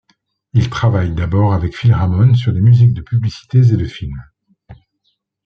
Il travaille d'abord avec Phil Ramone sur des musiques de publicités et de films.